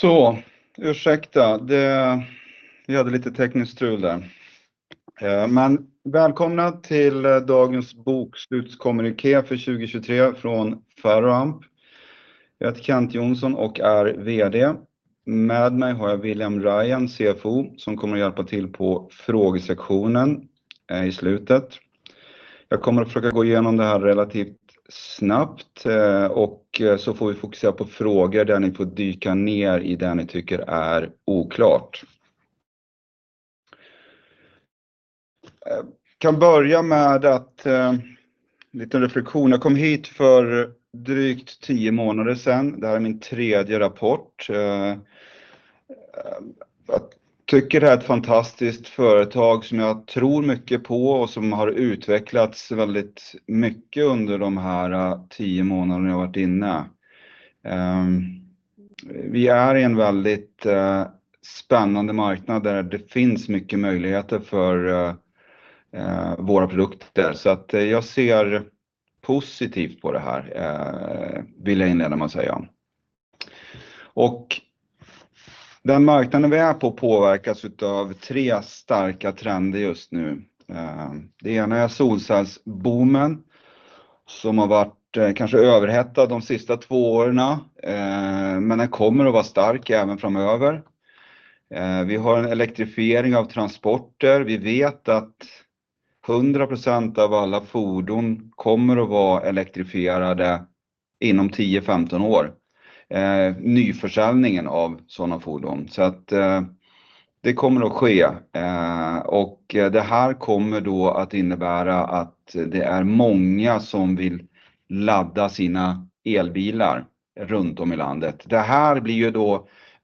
Så, ursäkta det, vi hade lite tekniskt strul där. Men välkomna till dagens bokslutskommuniké för 2023 från Ferroamp. Jag heter Kent Jonsson och är VD. Med mig har jag William Ryan, CFO, som kommer att hjälpa till på frågesektionen i slutet. Jag kommer att försöka gå igenom det här relativt snabbt och så får vi fokusera på frågor där ni får dyka ner i det ni tycker är oklart. Kan börja med att, en liten reflektion. Jag kom hit för drygt tio månader sedan. Det här är min tredje rapport. Jag tycker det är ett fantastiskt företag som jag tror mycket på och som har utvecklats väldigt mycket under de här tio månaderna jag har varit inne. Vi är i en väldigt spännande marknad där det finns mycket möjligheter för våra produkter. Jag ser positivt på det här, vill jag inleda med att säga. Marknaden vi är på påverkas av tre starka trender just nu. Det ena är solcellsboomen, som har varit kanske överhettad de sista två åren, men den kommer att vara stark även framöver. Vi har en elektrifiering av transporter. Vi vet att 100% av alla fordon kommer att vara elektrifierade inom tio, femton år. Nyförsäljningen av sådana fordon. Det kommer att ske, och det här kommer då att innebära att det är många som vill ladda sina elbilar runt om i landet. Det här blir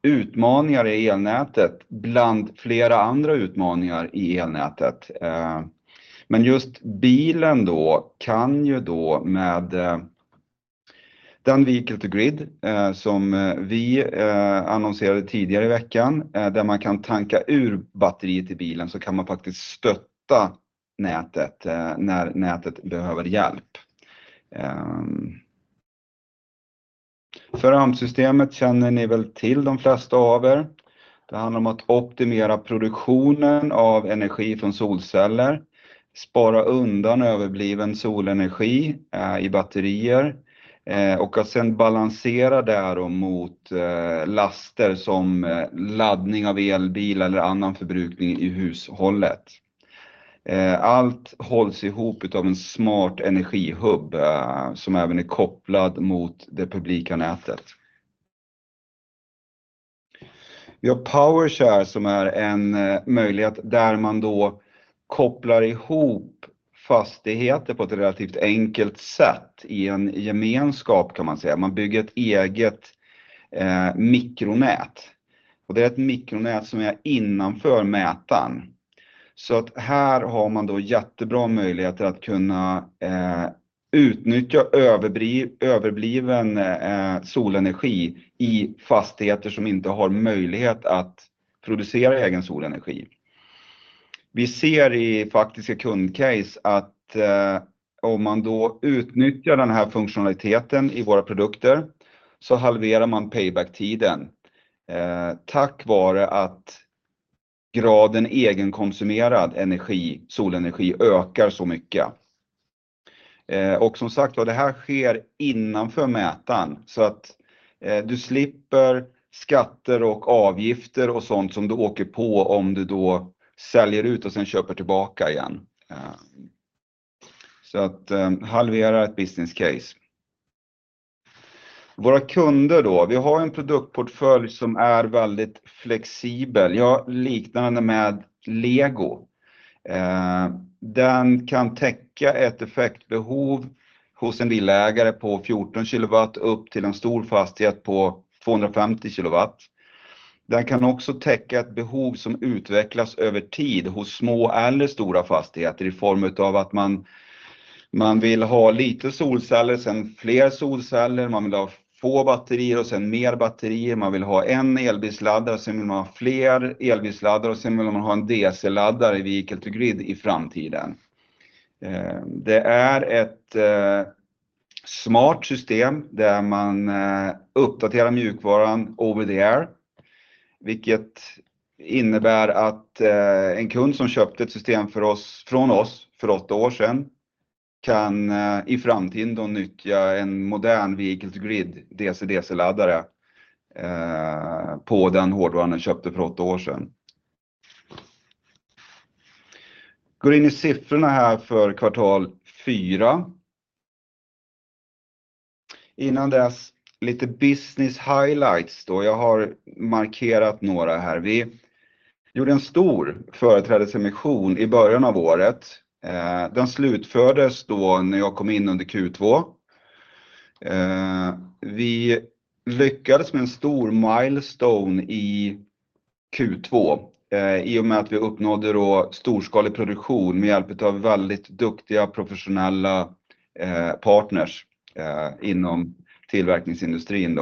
utmaningar i elnätet, bland flera andra utmaningar i elnätet. Men just bilen då kan ju då med den vehicle-to-grid, som vi annonserade tidigare i veckan, där man kan tanka ur batteriet i bilen, så kan man faktiskt stötta nätet när nätet behöver hjälp. Ferroamp-systemet känner ni väl till de flesta av er. Det handlar om att optimera produktionen av energi från solceller, spara undan överbliven solenergi i batterier och att sedan balansera det mot laster som laddning av elbil eller annan förbrukning i hushållet. Allt hålls ihop av en smart energihub som även är kopplad mot det publika nätet. Vi har Powershare som är en möjlighet där man då kopplar ihop fastigheter på ett relativt enkelt sätt i en gemenskap kan man säga. Man bygger ett eget mikronät och det är ett mikronät som är innanför mätaren. Så att här har man då jättebra möjligheter att kunna utnyttja överbliven solenergi i fastigheter som inte har möjlighet att producera egen solenergi. Vi ser i faktiska kundcase att om man då utnyttjar den här funktionaliteten i våra produkter, så halverar man payback-tiden. Tack vare att graden egenkonsumerad energi, solenergi, ökar så mycket. Och som sagt var, det här sker innanför mätaren så att du slipper skatter och avgifter och sådant som du åker på om du då säljer ut och sen köper tillbaka igen. Så att halvera ett business case. Våra kunder då. Vi har en produktportfölj som är väldigt flexibel. Jag liknar den med Lego. Den kan täcka ett effektbehov hos en villaägare på fjorton kilowatt upp till en stor fastighet på tvåhundrafemtio kilowatt. Den kan också täcka ett behov som utvecklas över tid hos små eller stora fastigheter i form av att man vill ha lite solceller, sen fler solceller, man vill ha få batterier och sen mer batterier, man vill ha en elbilsladdare, sen vill man ha fler elbilsladdare och sen vill man ha en DC-laddare i vehicle-to-grid i framtiden. Det är ett smart system där man uppdaterar mjukvaran over the air, vilket innebär att en kund som köpte ett system från oss för åtta år sedan kan i framtiden nyttja en modern vehicle-to-grid, DC-DC-laddare på den hårdvaran den köpte för åtta år sedan. Går in i siffrorna här för kvartal fyra. Innan dess, lite business highlights då. Jag har markerat några här. Vi gjorde en stor företrädesemission i början av året. Den slutfördes när jag kom in under Q2. Vi lyckades med en stor milestone i Q2, i och med att vi uppnådde storskalig produktion med hjälp av väldigt duktiga, professionella partners inom tillverkningsindustrin.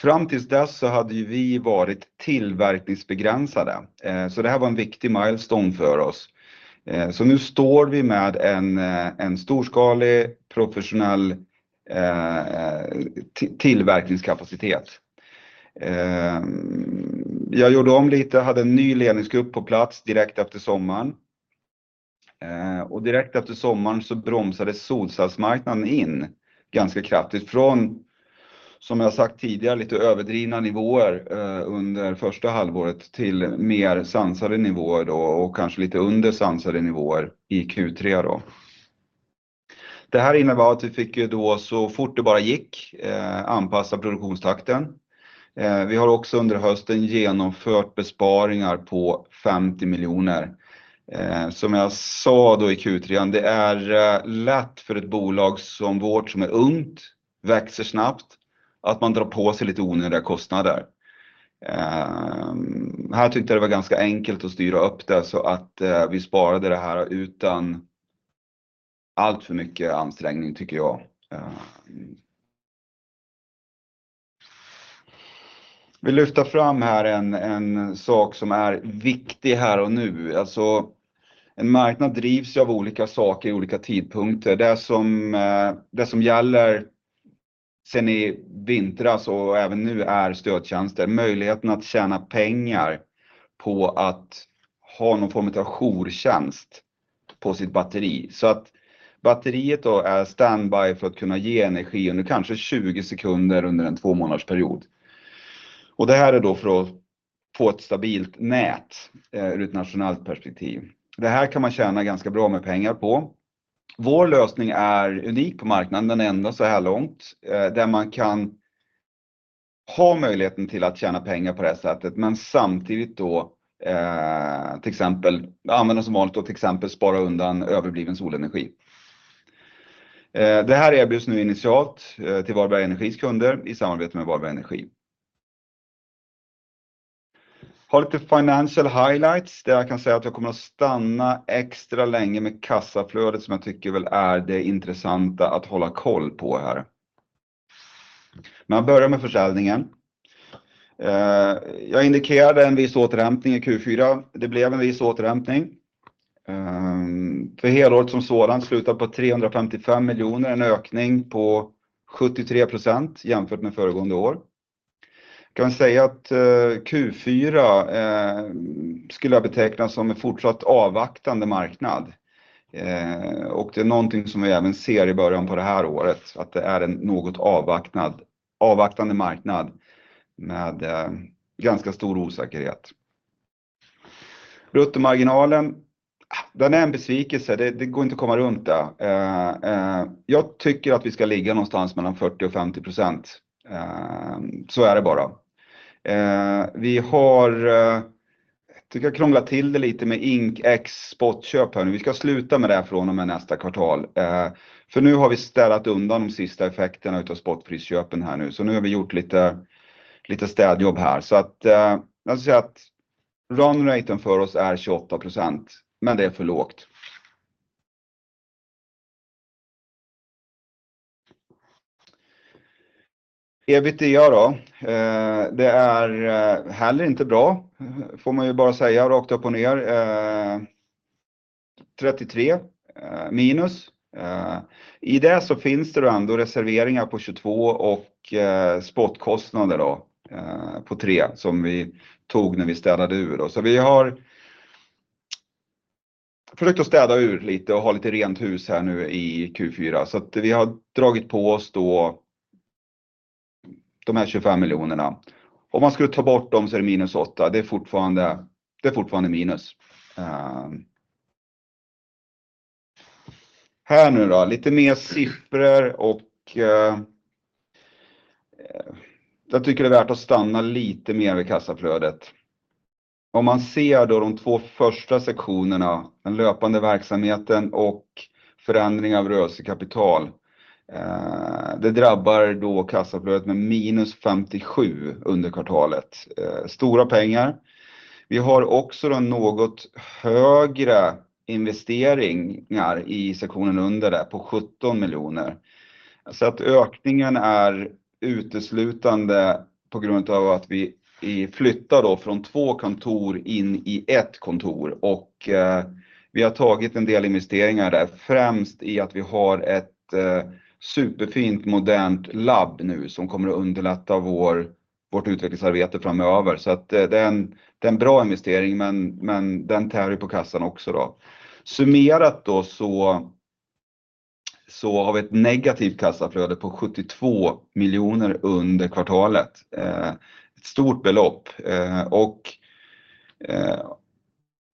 Fram tills dess så hade vi varit tillverkningsbegränsade, så det här var en viktig milestone för oss. Nu står vi med en storskalig, professionell tillverkningskapacitet. Jag gjorde om lite, hade en ny ledningsgrupp på plats direkt efter sommaren. Direkt efter sommaren så bromsades solcellsmarknaden in ganska kraftigt från, som jag sagt tidigare, lite överdrivna nivåer under första halvåret till mer sansade nivåer och kanske lite under sansade nivåer i Q3. Det här innebar att vi fick så fort det bara gick anpassa produktionstakten. Vi har också under hösten genomfört besparingar på 50 miljoner. Som jag sa då i Q3, det är lätt för ett bolag som vårt, som är ungt, växer snabbt, att man drar på sig lite onödiga kostnader. Här tyckte jag det var ganska enkelt att styra upp det så att vi sparade det här utan alltför mycket ansträngning, tycker jag. Vill lyfta fram här en sak som är viktig här och nu. Alltså, en marknad drivs av olika saker i olika tidpunkter. Det som gäller sedan i vintras och även nu är stödtjänster, möjligheten att tjäna pengar på att ha någon form utav jourtjänst på sitt batteri. Så att batteriet då är standby för att kunna ge energi under kanske tjugo sekunder under en två månadsperiod. Det här är då för att få ett stabilt nät ur ett nationellt perspektiv. Det här kan man tjäna ganska bra med pengar på. Vår lösning är unik på marknaden, den enda såhär långt, där man kan ha möjligheten till att tjäna pengar på det här sättet, men samtidigt då använda som vanligt och till exempel spara undan överbliven solenergi. Det här erbjuds nu initialt till Vadberga Energis kunder i samarbete med Vadberga Energi. Har lite financial highlights, där jag kan säga att jag kommer att stanna extra länge med kassaflödet som jag tycker väl är det intressanta att hålla koll på här. Men jag börjar med försäljningen. Jag indikerade en viss återhämtning i Q4. Det blev en viss återhämtning. För helåret som sådant slutar på 355 miljoner, en ökning på 73% jämfört med föregående år. Kan säga att Q4 skulle jag beteckna som en fortsatt avvaktande marknad. Och det är någonting som vi även ser i början på det här året, att det är en något avvaktande marknad med ganska stor osäkerhet. Bruttomarginalen, den är en besvikelse, det går inte att komma runt det. Jag tycker att vi ska ligga någonstans mellan 40% och 50%. Vi har tycker jag krånglat till det lite med ink, ex, spotköp här. Vi ska sluta med det från och med nästa kvartal, för nu har vi städat undan de sista effekterna av spotprisköpen här nu. Nu har vi gjort lite städjobb här. Jag säger att runraten för oss är 28%, men det är för lågt. EBITDA då. Det är heller inte bra, får man ju bara säga rakt upp och ner. 33 minus. I det så finns det ändå reserveringar på 22 och spotkostnader då på 3 som vi tog när vi städade ur. Så vi har försökt att städa ur lite och ha lite rent hus här nu i Q4. Så att vi har dragit på oss då de här 25 miljonerna. Om man skulle ta bort dem så är det minus 8. Det är fortfarande, det är fortfarande minus. Här nu då, lite mer siffror och jag tycker det är värt att stanna lite mer vid kassaflödet. Om man ser då de två första sektionerna, den löpande verksamheten och förändring av rörelsekapital, det drabbar då kassaflödet med minus 57 under kvartalet. Stora pengar. Vi har också då något högre investeringar i sektionen under det på 17 miljoner. Så att ökningen är uteslutande på grund av att vi flyttar då från två kontor in i ett kontor och vi har tagit en del investeringar där, främst i att vi har ett superfint modernt labb nu som kommer att underlätta vårt utvecklingsarbete framöver. Så att det är en bra investering, men den tärer på kassan också då. Summerat då så har vi ett negativt kassaflöde på 72 miljoner under kvartalet. Ett stort belopp. Och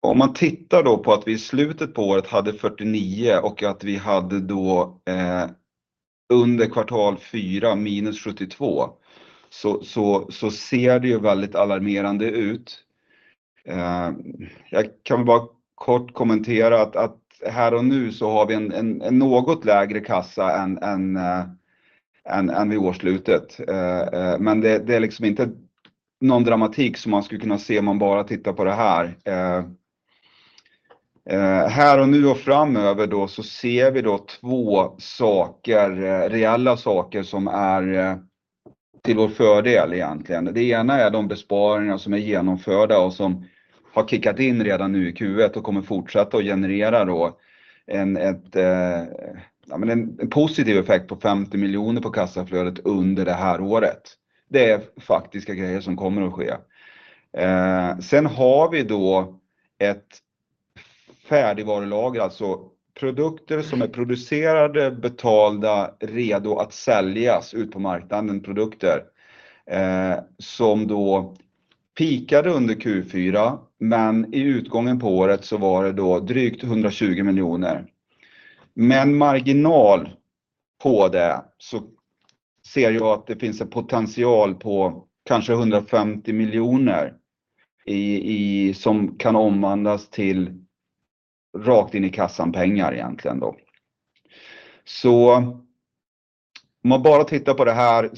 om man tittar då på att vi i slutet på året hade 49 och att vi hade då under kvartal fyra minus 72, så ser det ju väldigt alarmerande ut. Jag kan väl bara kort kommentera att här och nu så har vi en något lägre kassa än vid årsslutet. Men det är liksom inte någon dramatik som man skulle kunna se om man bara tittar på det här. Här och nu och framöver då, så ser vi då två saker, reella saker, som är till vår fördel egentligen. Det ena är de besparingar som är genomförda och som har kickat in redan nu i Q1 och kommer fortsätta att generera då en positiv effekt på 50 miljoner på kassaflödet under det här året. Det är faktiska grejer som kommer att ske. Sen har vi då ett färdigvarulager, alltså produkter som är producerade, betalda, redo att säljas ut på marknaden, produkter som då peakade under Q4, men i utgången på året så var det då drygt 120 miljoner. Med en marginal på det så ser jag att det finns en potential på kanske 150 miljoner i, som kan omvandlas till rakt in i kassan pengar egentligen då. Om man bara tittar på det här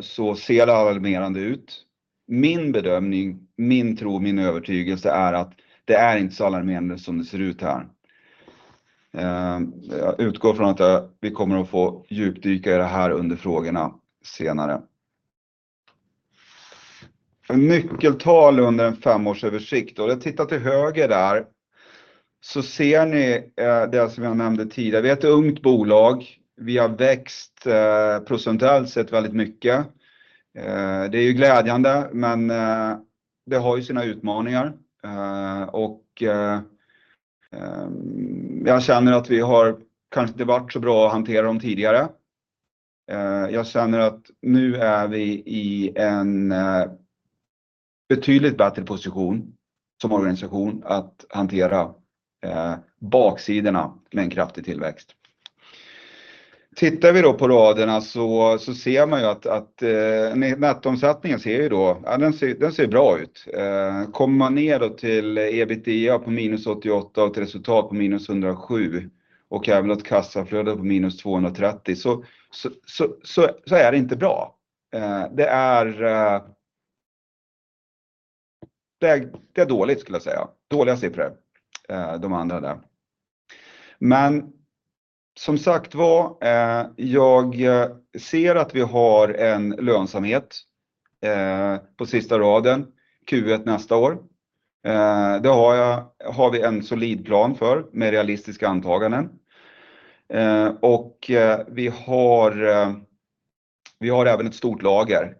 så ser det alarmerande ut. Min bedömning, min tro, min övertygelse är att det är inte så alarmerande som det ser ut här. Jag utgår från att vi kommer att få djupdyka i det här under frågorna senare. Nyckeltal under en femårsöversikt och titta till höger där, så ser ni det som jag nämnde tidigare. Vi är ett ungt bolag, vi har växt procentuellt sett väldigt mycket. Det är ju glädjande, men det har ju sina utmaningar. Jag känner att vi har kanske inte varit så bra att hantera dem tidigare. Jag känner att nu är vi i en betydligt bättre position som organisation att hantera baksidorna med en kraftig tillväxt. Tittar vi då på raderna så ser man ju att nettoomsättningen ser ju då, ja den ser bra ut. Kommer man ner då till EBITDA på minus 88 och ett resultat på minus 107 och även ett kassaflöde på minus 230, så är det inte bra. Det är dåligt skulle jag säga. Dåliga siffror, de andra där. Men som sagt var, jag ser att vi har en lönsamhet på sista raden, Q1 nästa år. Det har jag, har vi en solid plan för med realistiska antaganden. Och vi har, vi har även ett stort lager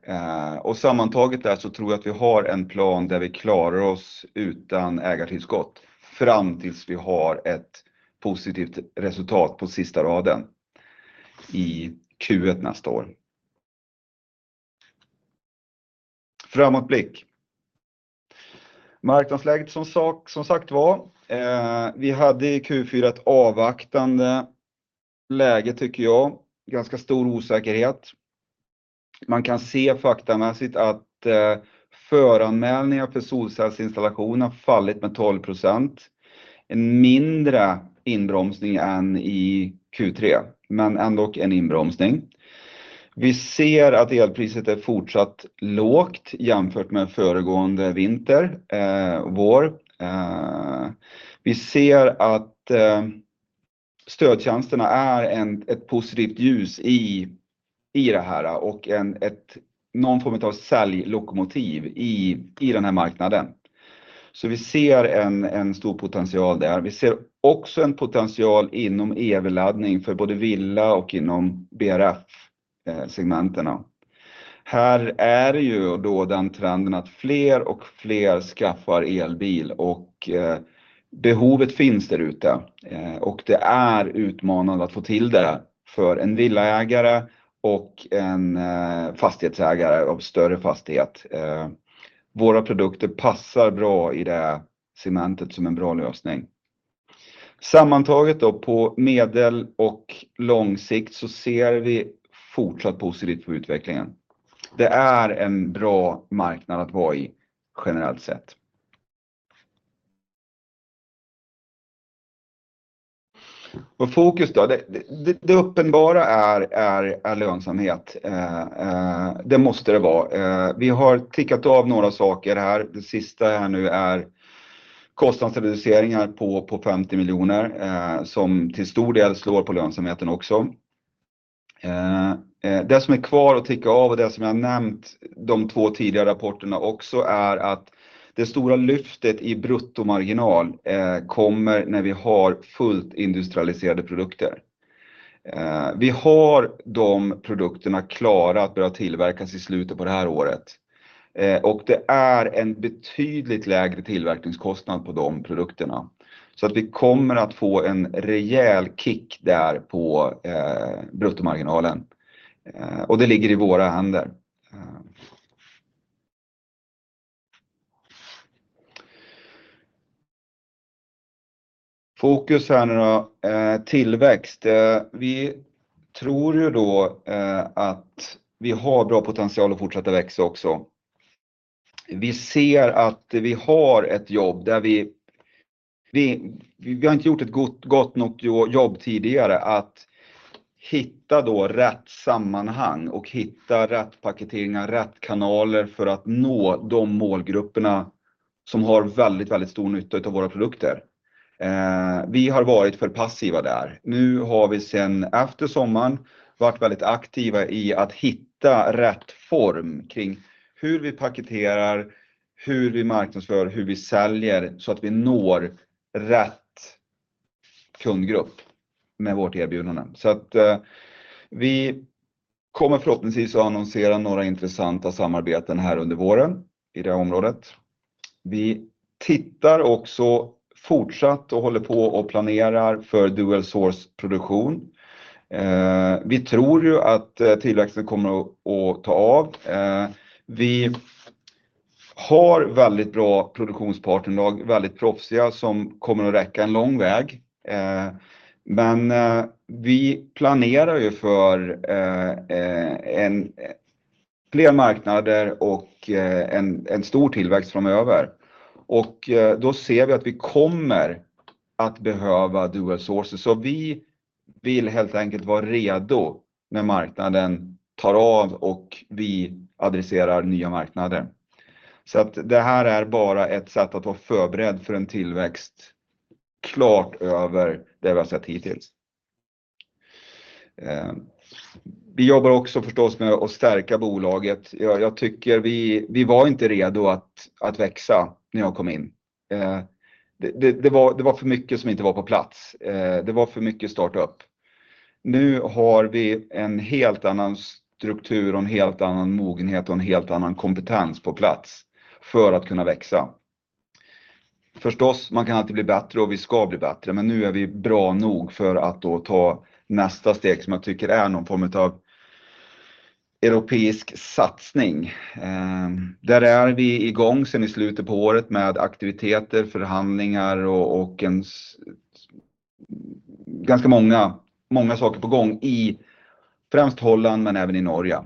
och sammantaget där så tror jag att vi har en plan där vi klarar oss utan ägartillskott fram tills vi har ett positivt resultat på sista raden i Q1 nästa år. Framåtblick. Marknadsläget som sagt var, vi hade i Q4 ett avvaktande läge, tycker jag. Ganska stor osäkerhet. Man kan se faktamässigt att föranmälningar för solcellsinstallation har fallit med 12%. En mindre inbromsning än i Q3, men ändock en inbromsning. Vi ser att elpriset är fortsatt lågt jämfört med föregående vinter, vår. Vi ser att stödtjänsterna är ett positivt ljus i det här och ett någon form av säljlokomotiv i den här marknaden. Så vi ser en stor potential där. Vi ser också en potential inom ev-laddning för både villa och inom BRF-segmentena. Här är ju då den trenden att fler och fler skaffar elbil och behovet finns där ute och det är utmanande att få till det för en villaägare och en fastighetsägare av större fastighet. Våra produkter passar bra i det segmentet som en bra lösning. Sammantaget då på medel och långsikt så ser vi fortsatt positivt på utvecklingen. Det är en bra marknad att vara i, generellt sett. Fokus då, det uppenbara är, är lönsamhet. Det måste det vara. Vi har tickat av några saker här. Det sista här nu är kostnadsreduceringar på femtio miljoner, som till stor del slår på lönsamheten också. Det som är kvar att ticka av och det som jag nämnt de två tidigare rapporterna också är att det stora lyftet i bruttomarginal kommer när vi har fullt industrialiserade produkter. Vi har de produkterna klara att börja tillverkas i slutet på det här året och det är en betydligt lägre tillverkningskostnad på de produkterna. Så att vi kommer att få en rejäl kick där på bruttomarginalen och det ligger i våra händer. Fokus här nu då, tillväxt. Vi tror ju då att vi har bra potential att fortsätta växa också. Vi ser att vi har ett jobb där vi, vi har inte gjort ett gott nog jobb tidigare att hitta då rätt sammanhang och hitta rätt paketeringar, rätt kanaler för att nå de målgrupperna som har väldigt stor nytta utav våra produkter. Vi har varit för passiva där. Nu har vi sedan efter sommaren varit väldigt aktiva i att hitta rätt form kring hur vi paketerar, hur vi marknadsför, hur vi säljer så att vi når rätt kundgrupp med vårt erbjudande. Så att vi kommer förhoppningsvis att annonsera några intressanta samarbeten här under våren i det området. Vi tittar också fortsatt och håller på och planerar för dual source produktion. Vi tror ju att tillväxten kommer att ta av. Vi har väldigt bra produktionspartnerlag, väldigt proffsiga, som kommer att räcka en lång väg. Men vi planerar ju för fler marknader och en stor tillväxt framöver. Då ser vi att vi kommer att behöva dual sources. Vi vill helt enkelt vara redo när marknaden tar av och vi adresserar nya marknader. Det här är bara ett sätt att vara förberedd för en tillväxt, klart över det vi har sett hittills. Vi jobbar också förstås med att stärka bolaget. Jag tycker vi var inte redo att växa när jag kom in. Det var för mycket som inte var på plats. Det var för mycket startup. Nu har vi en helt annan struktur och en helt annan mogenhet och en helt annan kompetens på plats för att kunna växa. Förstås, man kan alltid bli bättre och vi ska bli bättre, men nu är vi bra nog för att ta nästa steg som jag tycker är någon form av europeisk satsning. Där är vi igång sedan slutet på året med aktiviteter, förhandlingar och ganska många saker på gång i främst Holland, men även i Norge.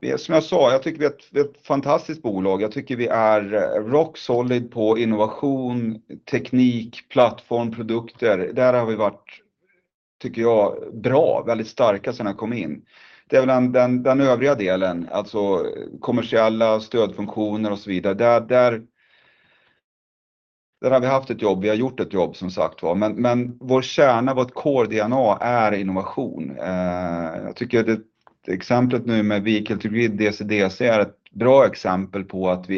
Det som jag sa, jag tycker vi är ett fantastiskt bolag. Jag tycker vi är rock solid på innovation, teknik, plattform, produkter. Där har vi varit, tycker jag, bra, väldigt starka sedan jag kom in. Det är väl den övriga delen, alltså kommersiella stödfunktioner och så vidare. Där, där, där har vi haft ett jobb, vi har gjort ett jobb som sagt var, men vår kärna, vårt core DNA är innovation. Jag tycker att exemplet nu med Vehicle to Grid DC-DC är ett bra exempel på att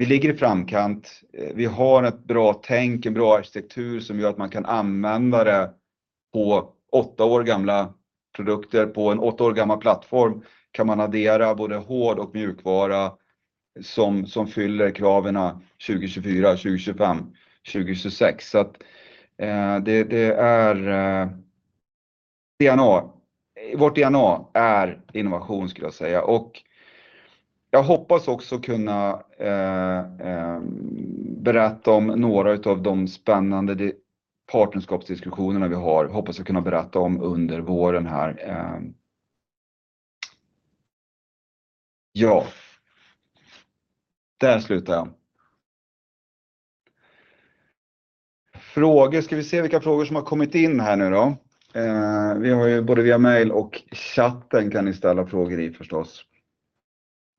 vi ligger i framkant. Vi har ett bra tänk, en bra arkitektur som gör att man kan använda det på åtta år gamla produkter. På en åtta år gammal plattform kan man addera både hård- och mjukvara som fyller kraven 2024, 2025, 2026. Det är DNA. Vårt DNA är innovation skulle jag säga och jag hoppas också kunna berätta om några av de spännande partnerskapsdiskussionerna vi har. Hoppas jag kunna berätta om under våren här. Ja, där slutar jag. Frågor, ska vi se vilka frågor som har kommit in här nu då? Vi har ju både via mail och chatten kan ni ställa frågor förstås.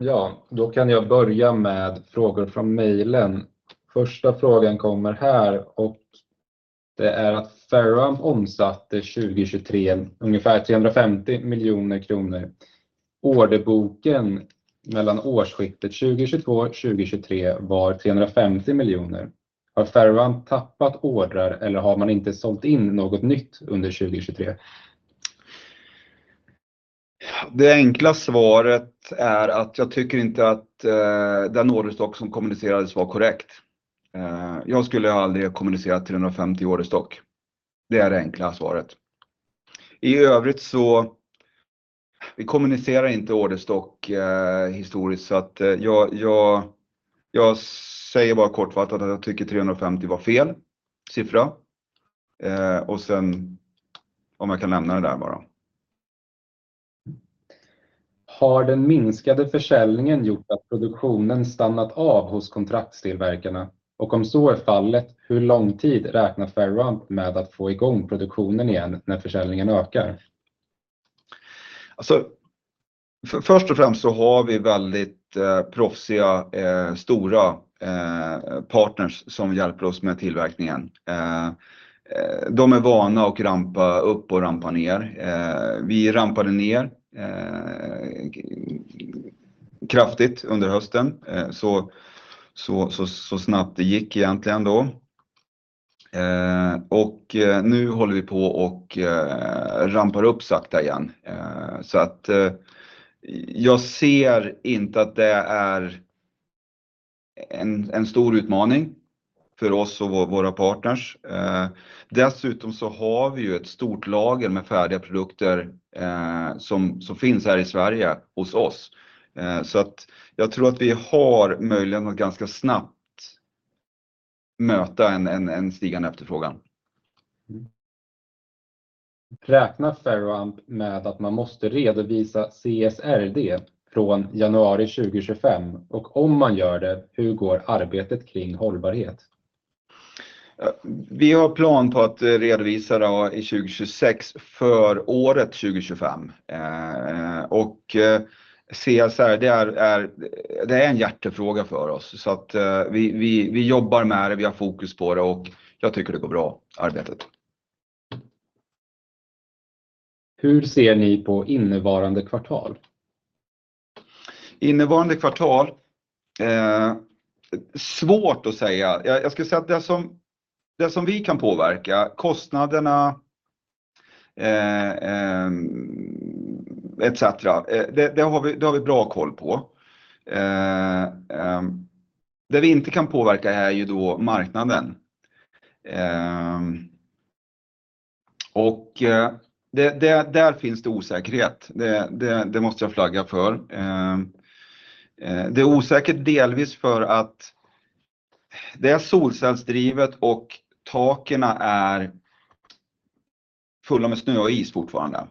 Ja, då kan jag börja med frågor från mailen. Första frågan kommer här och det är att Ferroamp omsatte 2023 ungefär 350 miljoner kronor. Orderboken mellan årsskiftet 2022-2023 var 350 miljoner. Har Ferroamp tappat ordrar eller har man inte sålt in något nytt under 2023? Det enkla svaret är att jag tycker inte att den orderstock som kommunicerades var korrekt. Jag skulle aldrig ha kommunicerat 350 orderstock. Det är det enkla svaret. I övrigt så kommunicerar vi inte orderstock historiskt, så jag säger bara kortfattat att jag tycker 350 var fel siffra. Och sen om jag kan lämna det där bara. Har den minskade försäljningen gjort att produktionen stannat av hos kontraktsstillverkarna? Och om så är fallet, hur lång tid räknar Ferroamp med att få igång produktionen igen när försäljningen ökar? Alltså, först och främst så har vi väldigt proffsiga, stora partners som hjälper oss med tillverkningen. De är vana att rampa upp och rampa ner. Vi rampade ner kraftigt under hösten, så snabbt det gick egentligen då. Och nu håller vi på och rampar upp sakta igen. Så att jag ser inte att det är en stor utmaning för oss och våra partners. Dessutom så har vi ju ett stort lager med färdiga produkter som finns här i Sverige hos oss. Så att jag tror att vi har möjligheten att ganska snabbt möta en stigande efterfrågan. Räknar Ferroamp med att man måste redovisa CSRD från januari 2025? Och om man gör det, hur går arbetet kring hållbarhet? Vi har plan på att redovisa det i 2026 för året 2025. Och CSRD, det är en hjärtefråga för oss. Så att vi jobbar med det, vi har fokus på det och jag tycker det går bra, arbetet. Hur ser ni på innevarande kvartal? Innevarande kvartal? Svårt att säga. Jag skulle säga att det som vi kan påverka, kostnaderna etc. Det har vi bra koll på. Det vi inte kan påverka är ju då marknaden. Och det, där finns det osäkerhet. Det måste jag flagga för. Det är osäkert delvis för att det är solcellsdrivet och taken är fulla med snö och is fortfarande.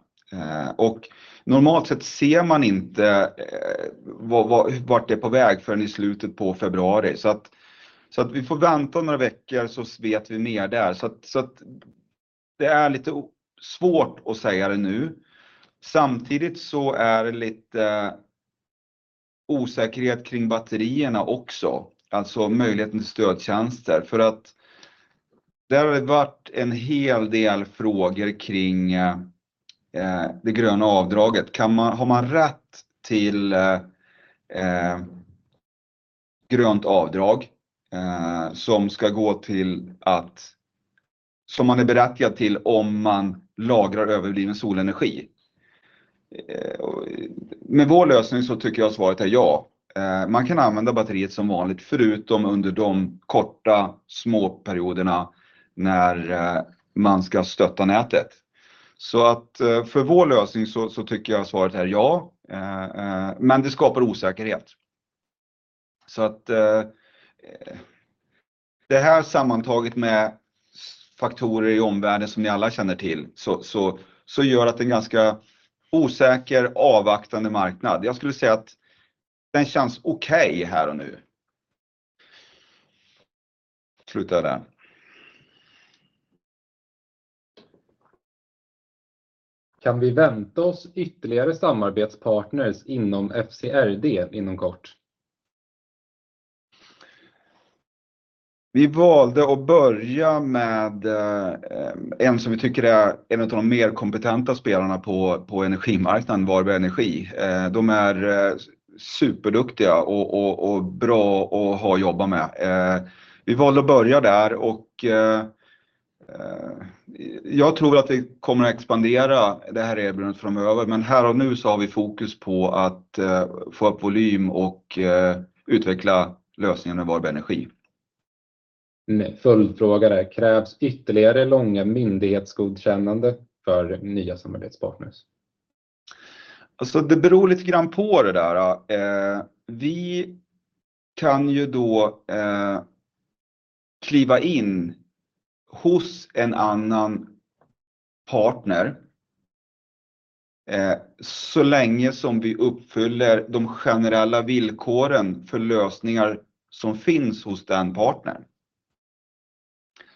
Och normalt sett ser man inte vart det är på väg förrän i slutet på februari. Så att vi får vänta några veckor så vet vi mer där. Så att det är lite svårt att säga det nu. Samtidigt så är det lite osäkerhet kring batterierna också, alltså möjligheten till stödtjänster. För att det har varit en hel del frågor kring det gröna avdraget. Kan man, har man rätt till grönt avdrag som ska gå till att... Som man är berättigad till om man lagrar överbliven solenergi? Med vår lösning så tycker jag att svaret är ja. Man kan använda batteriet som vanligt, förutom under de korta, små perioderna när man ska stötta nätet. Så att för vår lösning så tycker jag att svaret är ja, men det skapar osäkerhet. Så att, det här sammantaget med faktorer i omvärlden som ni alla känner till, så gör att det är en ganska osäker, avvaktande marknad. Jag skulle säga att den känns okej här och nu. Slutar där. Kan vi vänta oss ytterligare samarbetspartners inom FCRD inom kort? Vi valde att börja med en som vi tycker är en utav de mer kompetenta spelarna på energimarknaden, Varberg Energi. De är superduktiga och bra att ha och jobba med. Vi valde att börja där och jag tror väl att vi kommer att expandera det här erbjudandet framöver, men här och nu så har vi fokus på att få upp volym och utveckla lösningen med Varberg Energi. Följdfråga där: Krävs ytterligare långa myndighetsgodkännanden för nya samarbetspartners? Alltså, det beror lite grann på det där då. Vi kan ju då kliva in hos en annan partner så länge som vi uppfyller de generella villkoren för lösningar som finns hos den partnern.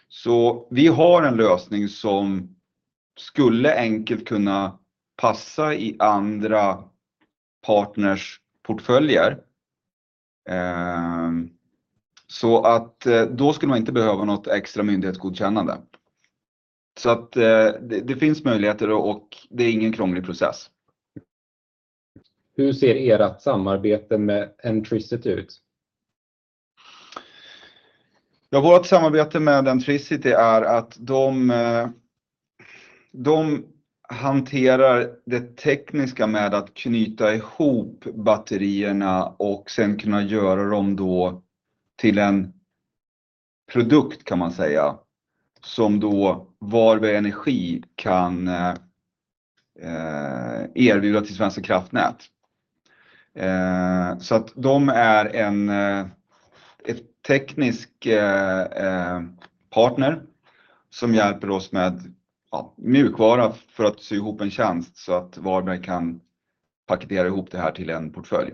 Så vi har en lösning som skulle enkelt kunna passa i andra partners portföljer. Så att då skulle man inte behöva något extra myndighetsgodkännande. Så att det finns möjligheter och det är ingen krånglig process. Hur ser ert samarbete med Entricity ut? Ja, vårt samarbete med Entricity är att de hanterar det tekniska med att knyta ihop batterierna och sedan kunna göra dem då till en produkt, kan man säga, som då Varberg Energi kan erbjuda till Svenska kraftnät. Så att de är en teknisk partner som hjälper oss med mjukvara för att sy ihop en tjänst så att Varberg kan paketera ihop det här till en portfölj.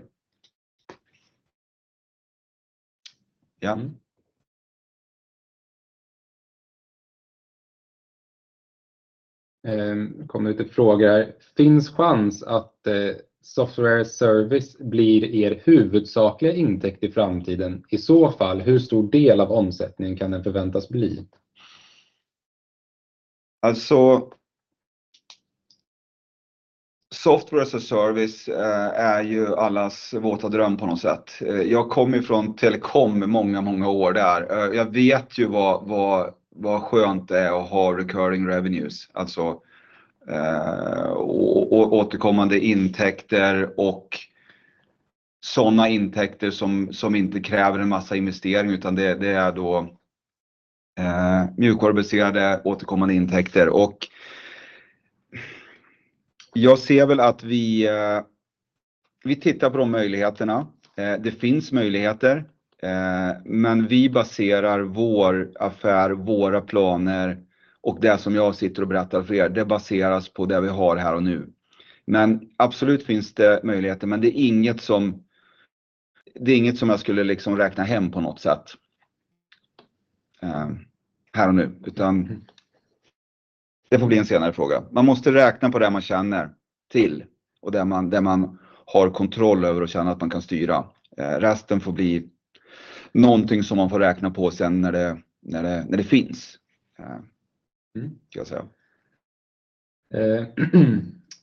Ja. Det kom lite frågor här. Finns chans att Software Service blir er huvudsakliga intäkt i framtiden? I så fall, hur stor del av omsättningen kan den förväntas bli? Alltså, Software as a Service är ju allas våta dröm på något sätt. Jag kommer från Telecom med många, många år där. Jag vet ju vad skönt det är att ha recurring revenues, alltså återkommande intäkter och sådana intäkter som inte kräver en massa investering, utan det är då mjukvarubaserade återkommande intäkter. Och jag ser väl att vi tittar på de möjligheterna. Det finns möjligheter, men vi baserar vår affär, våra planer och det som jag sitter och berättar för er, det baseras på det vi har här och nu. Men absolut finns det möjligheter, men det är inget som jag skulle räkna hem på något sätt här och nu, utan det får bli en senare fråga. Man måste räkna på det man känner till och det man, där man har kontroll över och känner att man kan styra. Resten får bli någonting som man får räkna på sedan när det finns, ska jag säga.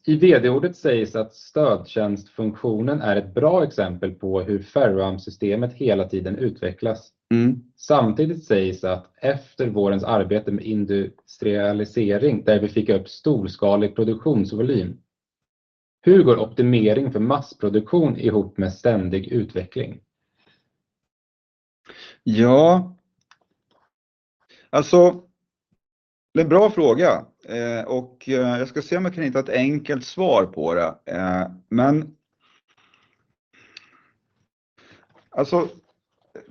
I VD-ordet sägs att stödtjänstfunktionen är ett bra exempel på hur Ferroamp-systemet hela tiden utvecklas. Mm. Samtidigt sägs att efter vårens arbete med industrialisering, där vi fick upp storskalig produktionsvolym. Hur går optimering för massproduktion ihop med ständig utveckling? Ja, alltså, det är en bra fråga och jag ska se om jag kan hitta ett enkelt svar på det. Men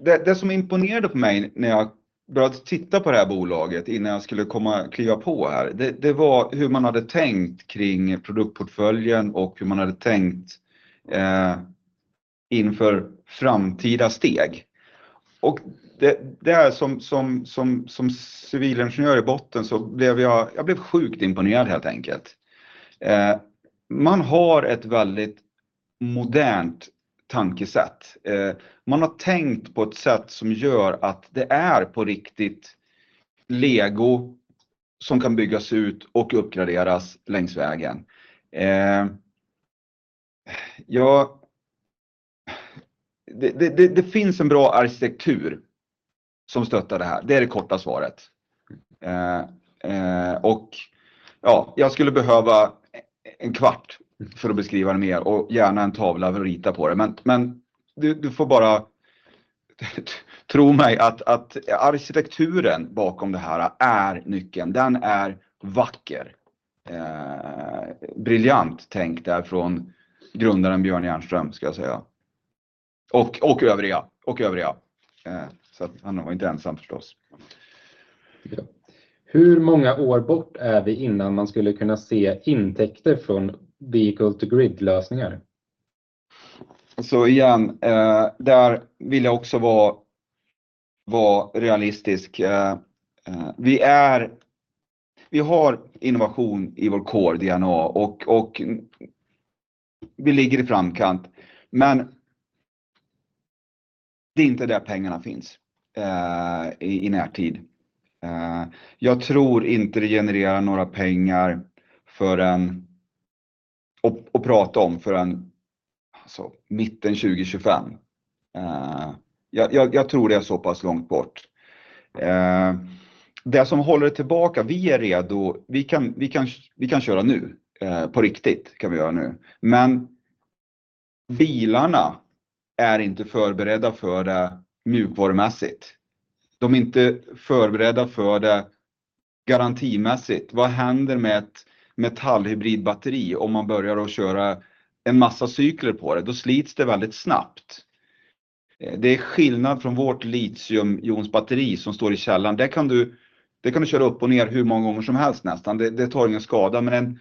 det som imponerade på mig när jag började titta på det här bolaget innan jag skulle komma, kliva på här, det var hur man hade tänkt kring produktportföljen och hur man hade tänkt inför framtida steg. Och det är som civilingenjör i botten så blev jag sjukt imponerad, helt enkelt. Man har ett väldigt modernt tankesätt. Man har tänkt på ett sätt som gör att det är på riktigt Lego som kan byggas ut och uppgraderas längs vägen. Ja, det finns en bra arkitektur som stöttar det här. Det är det korta svaret. Och ja, jag skulle behöva en kvart för att beskriva det mer och gärna en tavla för att rita på det. Men, men du får bara tro mig att arkitekturen bakom det här är nyckeln. Den är vacker, briljant tänkt där från grundaren Björn Järnström, ska jag säga. Och övriga. Så han var inte ensam förstås. Hur många år bort är vi innan man skulle kunna se intäkter från Vehicle to Grid-lösningar? Så igen, där vill jag också vara realistisk. Vi har innovation i vår core DNA och vi ligger i framkant, men det är inte där pengarna finns i närtid. Jag tror inte det genererar några pengar förrän mitten 2025. Jag tror det är så pass långt bort. Det som håller tillbaka, vi är redo, vi kan köra nu, på riktigt kan vi göra nu. Men bilarna är inte förberedda för det mjukvarumässigt. De är inte förberedda för det garantimässigt. Vad händer med ett metallhybridbatteri om man börjar att köra en massa cykler på det? Då slits det väldigt snabbt. Det är skillnad från vårt litiumjonbatteri som står i källaren. Det kan du köra upp och ner hur många gånger som helst, nästan. Det tar ingen skada, men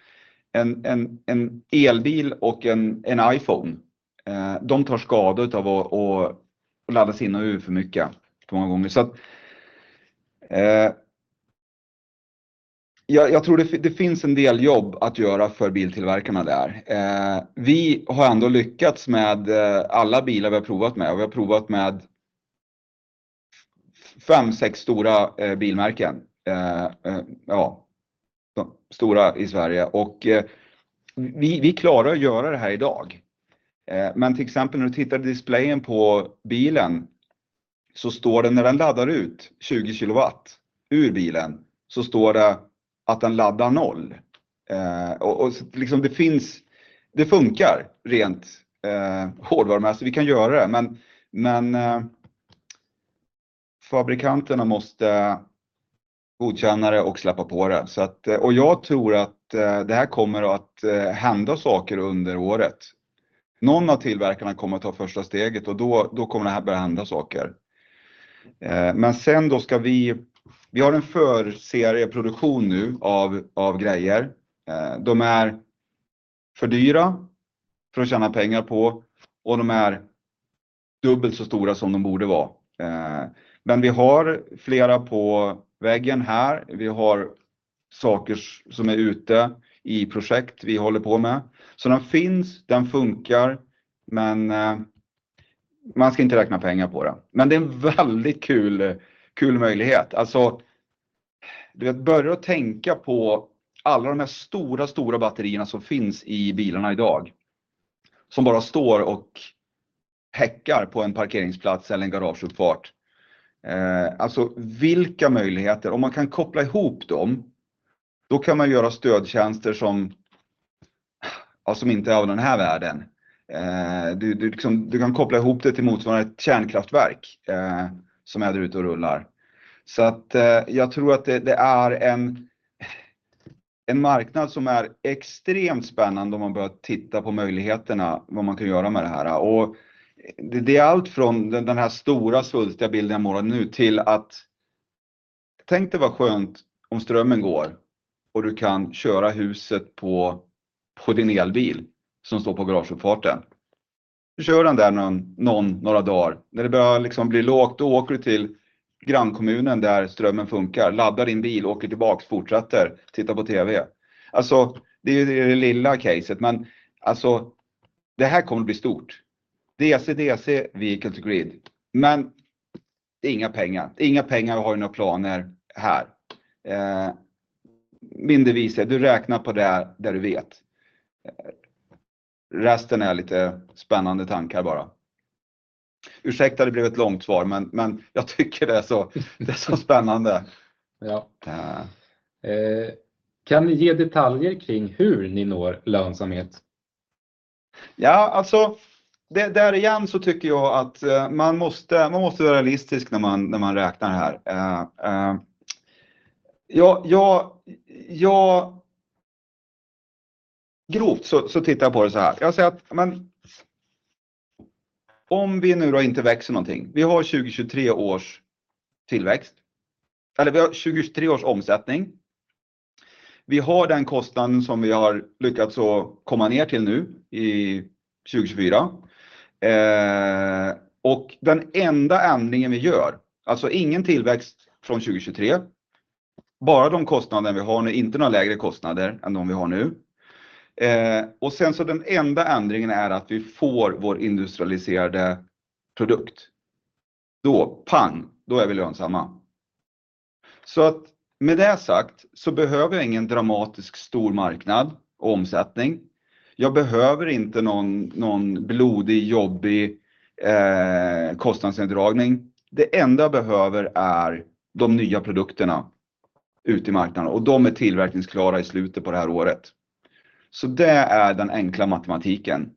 en elbil och en iPhone, de tar skada utav att ladda ur för mycket, för många gånger. Så jag tror det finns en del jobb att göra för biltillverkarna där. Vi har ändå lyckats med alla bilar vi har provat med och vi har provat med fem, sex stora bilmärken. Ja, stora i Sverige och vi klarar att göra det här idag. Men till exempel, när du tittar på displayen på bilen, så står det när den laddar ut tjugo kilowatt ur bilen, så står det att den laddar noll. Och det finns, det funkar rent hårdvarumässigt. Vi kan göra det, men fabrikanterna måste godkänna det och släppa på det. Så jag tror att det här kommer att hända saker under året. Någon av tillverkarna kommer att ta första steget och då kommer det här börja hända saker. Men sen ska vi, vi har en förserieproduktion nu av grejer. De är för dyra för att tjäna pengar på och de är dubbelt så stora som de borde vara. Men vi har flera på väggen här. Vi har saker som är ute i projekt vi håller på med. Så den finns, den funkar, men man ska inte räkna pengar på den. Men det är en väldigt kul möjlighet. Du börjar att tänka på alla de här stora batterierna som finns i bilarna idag, som bara står och häckar på en parkeringsplats eller en garageuppfart. Vilka möjligheter! Om man kan koppla ihop dem kan man göra stödtjänster som inte är av den här världen. Du kan koppla ihop det till motsvarande ett kärnkraftverk som är ute och rullar. Så att jag tror att det är en marknad som är extremt spännande om man börjar titta på möjligheterna, vad man kan göra med det här. Det är allt från den här stora svultiga bilden jag målade nu till att... Tänk dig vad skönt om strömmen går och du kan köra huset på din elbil som står på garageuppfarten. Du kör den där några dagar. När det börjar bli lågt, då åker du till grannkommunen där strömmen funkar, laddar din bil, åker tillbaka, fortsätter titta på TV. Det är det lilla caset, men det här kommer att bli stort. DC/DC, vehicle to grid, men inga pengar. Inga pengar, vi har ju några planer här. Mindre vise, du räknar på det där du vet. Resten är lite spännande tankar bara. Ursäkta, det blev ett långt svar, men jag tycker det är så spännande. Ja. Kan du ge detaljer kring hur ni når lönsamhet? Ja, alltså, det där igen så tycker jag att man måste vara realistisk när man räknar här. Ja, jag... Grovt så tittar jag på det såhär. Jag säger att: men, om vi nu inte växer någonting, vi har 2023 års tillväxt. Eller vi har 2023 års omsättning. Vi har den kostnaden som vi har lyckats att komma ner till nu i 2024. Och den enda ändringen vi gör, alltså ingen tillväxt från 2023, bara de kostnader vi har nu, inte några lägre kostnader än de vi har nu. Och sen så den enda ändringen är att vi får vår industrialiserade produkt. Då, pang! Då är vi lönsamma. Så att med det sagt, så behöver jag ingen dramatisk stor marknad och omsättning. Jag behöver inte någon blodig, jobbig kostnadsneddragning. Det enda jag behöver är de nya produkterna ute i marknaden och de är tillverkningsklara i slutet på det här året. Så det är den enkla matematiken.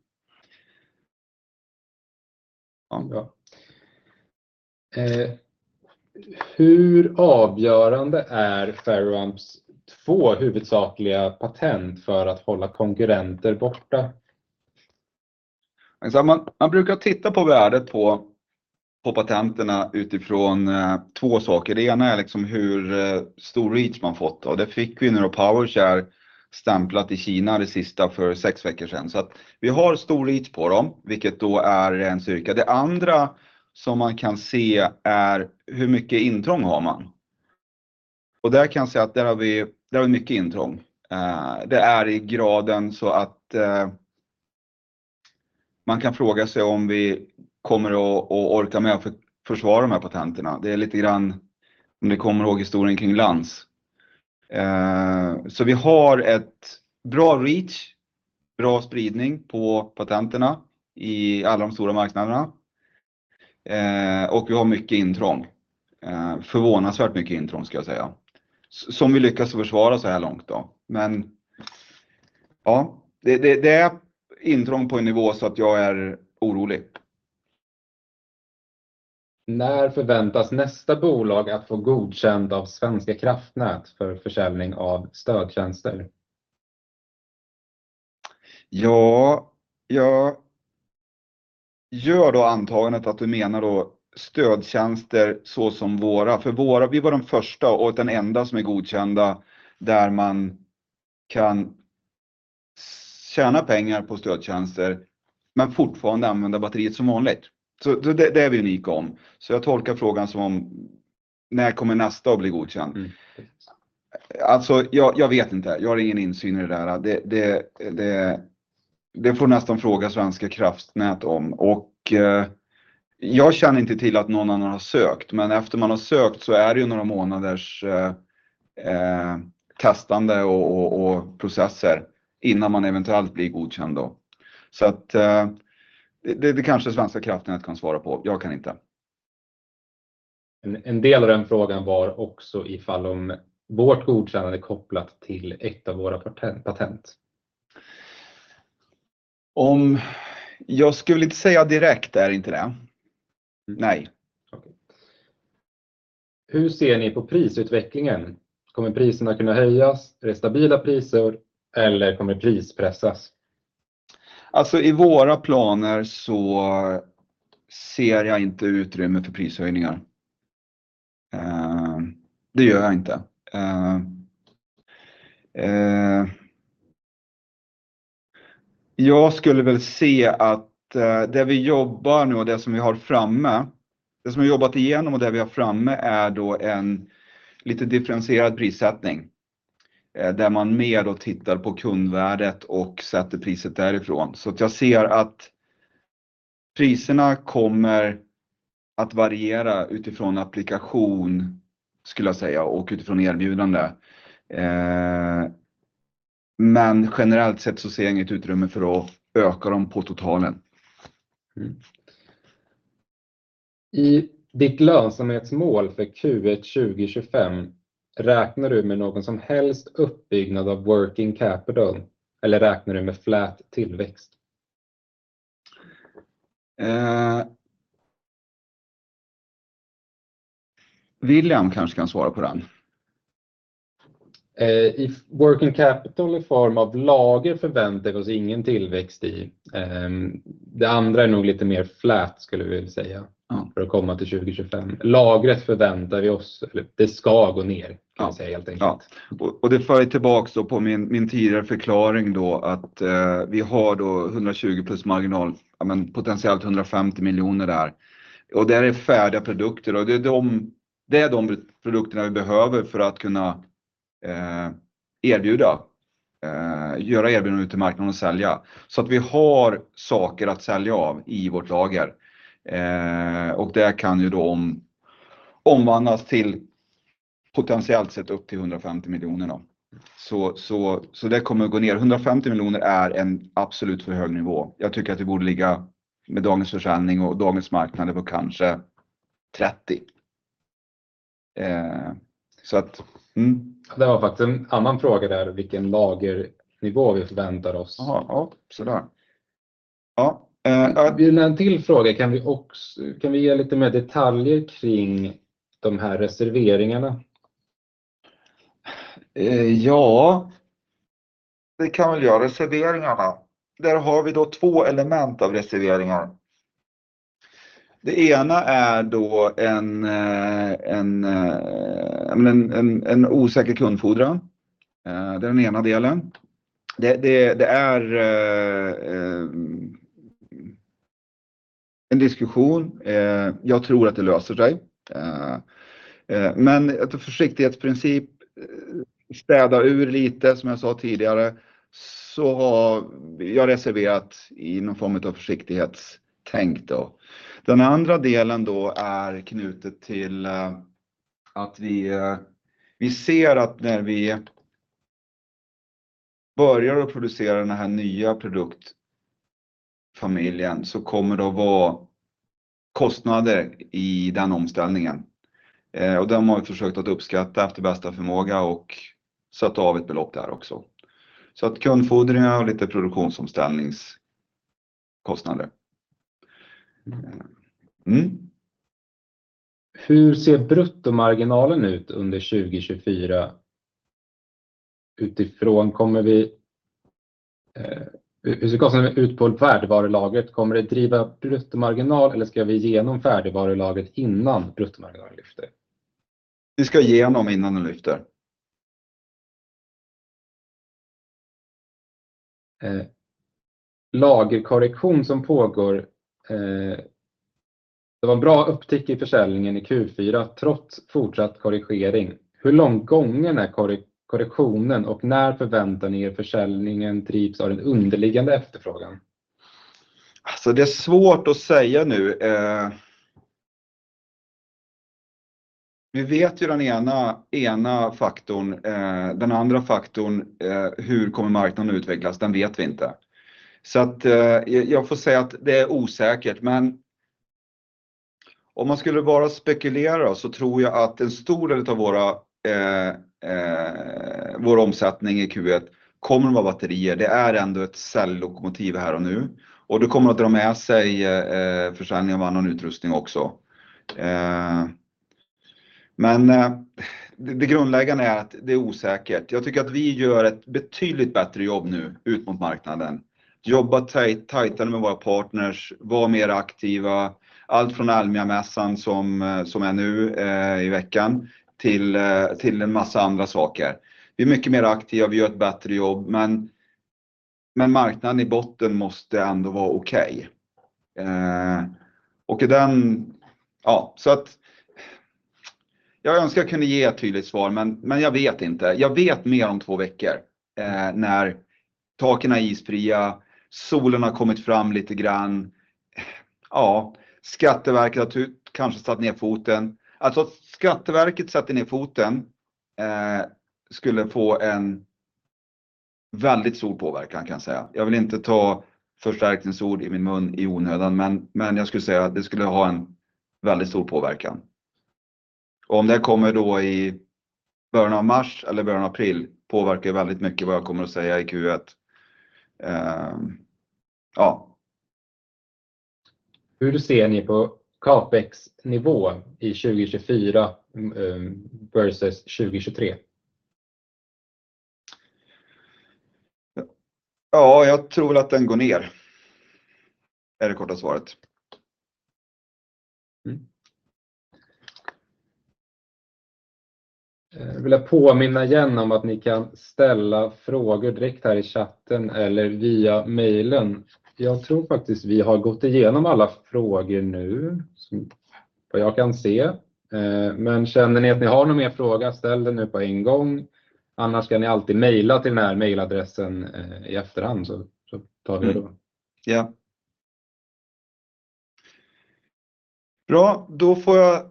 Ja. Hur avgörande är Ferroamps två huvudsakliga patent för att hålla konkurrenter borta? Man brukar titta på värdet på patenterna utifrån två saker. Det ena är hur stor reach man fått och det fick vi nu när Power Share stämplat i Kina det sista för sex veckor sedan. Så att vi har stor reach på dem, vilket då är en styrka. Det andra som man kan se är hur mycket intrång har man. Och där kan jag säga att där har vi mycket intrång. Det är i graden så att man kan fråga sig om vi kommer att orka med att försvara de här patenterna. Det är lite grann, om du kommer ihåg historien kring Lans. Så vi har ett bra reach, bra spridning på patenterna i alla de stora marknaderna. Och vi har mycket intrång, förvånadsvärt mycket intrång ska jag säga, som vi lyckas försvara såhär långt då. Men ja, det är intrång på en nivå så att jag är orolig. När förväntas nästa bolag att få godkännande av Svenska kraftnät för försäljning av stödtjänster? Ja, jag gör då antagandet att du menar då stödtjänster så som våra. För våra, vi var de första och den enda som är godkända, där man kan tjäna pengar på stödtjänster, men fortfarande använda batteriet som vanligt. Det är vi unika om. Jag tolkar frågan som: när kommer nästa att bli godkänd? Jag vet inte. Jag har ingen insyn i det där. Det får nästan fråga Svenska Kraftnät om och jag känner inte till att någon annan har sökt, men efter man har sökt så är det ju några månaders testande och processer innan man eventuellt blir godkänd då. Det kanske Svenska Kraftnät kan svara på. Jag kan inte. En del av den frågan var också om vårt godkännande är kopplat till ett av våra patent. Om, jag skulle inte säga direkt, är inte det. Nej. Okej. Hur ser ni på prisutvecklingen? Kommer priserna kunna höjas? Är det stabila priser eller kommer det prispressas? Alltså, i våra planer så ser jag inte utrymme för prishöjningar. Det gör jag inte. Jag skulle väl se att det vi jobbar nu och det som vi har framme, det som vi jobbat igenom och det vi har framme är då en lite differentierad prissättning, där man mer då tittar på kundvärdet och sätter priset därifrån. Så jag ser att priserna kommer att variera utifrån applikation, skulle jag säga, och utifrån erbjudande. Men generellt sett så ser jag inget utrymme för att öka dem på totalen. Mm. I ditt lönsamhetsmål för Q1 2025, räknar du med någon som helst uppbyggnad av working capital eller räknar du med flat tillväxt? Äh... William kanske kan svara på den. Working capital i form av lager förväntar oss ingen tillväxt i. Det andra är nog lite mer flat, skulle vi vilja säga. Ja. För att komma till 2025 lagret förväntar vi oss, eller det ska gå ner, kan jag säga helt enkelt. Ja, och det för ju tillbaka på min tidigare förklaring då, att vi har då 120 plus marginal, ja men potentiellt 150 miljoner där. Och det är färdiga produkter och det är de produkterna vi behöver för att kunna erbjuda, göra erbjudanden ut till marknaden och sälja. Så att vi har saker att sälja av i vårt lager. Och det kan ju då omvandlas till potentiellt sett upp till 150 miljoner då. Så det kommer att gå ner. 150 miljoner är en absolut för hög nivå. Jag tycker att det borde ligga med dagens försäljning och dagens marknad på kanske 30. Så att, mm. Det var faktiskt en annan fråga där, vilken lagernivå vi förväntar oss? Jaha, ja, sådär. Ja. Det är en till fråga: Kan vi också, kan vi ge lite mer detaljer kring de här reserveringarna? Ja, det kan vi väl göra. Reserveringarna. Där har vi då två element av reserveringar. Det ena är då en osäker kundfordran. Det är den ena delen. Det är en diskussion. Jag tror att det löser sig. Men efter försiktighetsprincip, städa ur lite, som jag sa tidigare, så har jag reserverat i någon form utav försiktighetstänk då. Den andra delen då är knutet till att vi ser att när vi börjar att producera den här nya produktfamiljen, så kommer det att vara kostnader i den omställningen. Och dem har vi försökt att uppskatta efter bästa förmåga och satt av ett belopp där också. Så att kundfordringar och lite produktionsomställningskostnader. Hur ser bruttomarginalen ut under 2024? Varifrån kommer vi? Hur ser det ut på färdigvarulagret? Kommer det att driva bruttomarginal eller ska vi igenom färdigvarulagret innan bruttomarginalen lyfter? Vi ska igenom innan den lyfter. Lagerkorrektion som pågår. Det var en bra upptick i försäljningen i Q4, trots fortsatt korrigering. Hur långt gången är korrektionen och när förväntar ni er försäljningen drivs av den underliggande efterfrågan? Alltså, det är svårt att säga nu. Vi vet ju den ena faktorn. Den andra faktorn, hur kommer marknaden att utvecklas? Den vet vi inte. Så att jag får säga att det är osäkert, men om man skulle bara spekulera så tror jag att en stor del av vår omsättning i Q1 kommer att vara batterier. Det är ändå ett säljlokomotiv här och nu och det kommer att dra med sig försäljningen av annan utrustning också. Men det grundläggande är att det är osäkert. Jag tycker att vi gör ett betydligt bättre jobb nu ut mot marknaden. Jobba tight, tightare med våra partners, vara mer aktiva. Allt från Elmiamässan som är nu i veckan, till en massa andra saker. Vi är mycket mer aktiva, vi gör ett bättre jobb, men marknaden i botten måste ändå vara okej. Och i den... Ja, så att jag önskar jag kunde ge ett tydligt svar, men jag vet inte. Jag vet mer om två veckor när taken är isfria, solen har kommit fram lite grann. Ja, Skatteverket har kanske satt ner foten. Att Skatteverket sätter ner foten skulle få en väldigt stor påverkan kan jag säga. Jag vill inte ta förstärkningsord i min mun i onödan, men jag skulle säga att det skulle ha en väldigt stor påverkan. Om det kommer då i början av mars eller början av april, påverkar väldigt mycket vad jag kommer att säga i Q1. Hur ser ni på Capex-nivån i 2024 versus 2023? Ja, jag tror väl att den går ner. Är det korta svaret. Mm. Äh, vill jag påminna igen om att ni kan ställa frågor direkt här i chatten eller via mailen. Jag tror faktiskt vi har gått igenom alla frågor nu, vad jag kan se. Men känner ni att ni har någon mer fråga, ställ den nu på en gång. Annars kan ni alltid maila till den här mailadressen i efterhand så tar vi det då. Ja. Bra, då får jag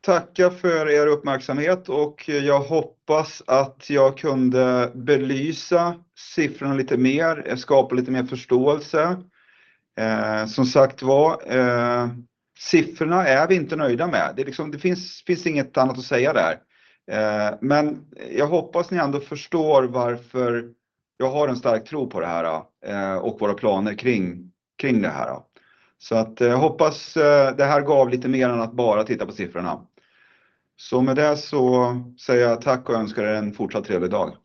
tacka för er uppmärksamhet och jag hoppas att jag kunde belysa siffrorna lite mer, skapa lite mer förståelse. Siffrorna är vi inte nöjda med. Det är liksom, det finns inget annat att säga där. Men jag hoppas ni ändå förstår varför jag har en stark tro på det här och våra planer kring det här. Jag hoppas det här gav lite mer än att bara titta på siffrorna. Med det så säger jag tack och önskar er en fortsatt trevlig dag.